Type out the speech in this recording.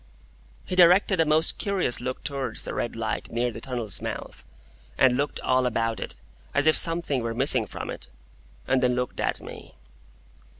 He directed a most curious look towards the red light near the tunnel's mouth, and looked all about it, as if something were missing from it, and then looked at me.